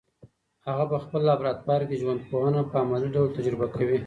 هغه په خپل لابراتوار کي ژوندپوهنه په عملي ډول تجربه کوي.